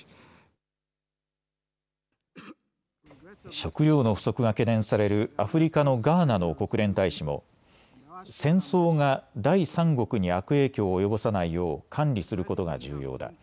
食料の不足が懸念されるアフリカのガーナの国連大使も戦争が第三国に悪影響を及ぼさないよう管理することが重要だ。